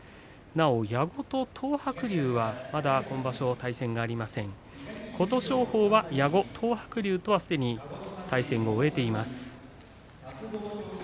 なお、矢後と東白龍はまだ今場所対戦がありません・琴勝峰は矢後東白龍とは対戦を終えています。